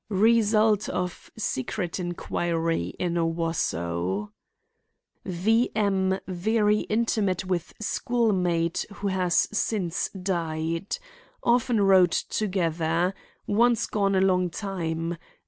Result of secret inquiry in Owosso. V. M. very intimate with schoolmate who has since died. Often rode together; once gone a long time.